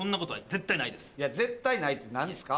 絶対ないって何でですか？